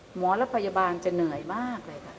หมอและพยาบาลจะเหนื่อยมากเลยค่ะ